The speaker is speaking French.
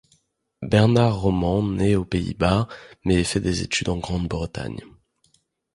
Bernard Romans naît aux Pays-Bas mais fait ses études en Grande-Bretagne.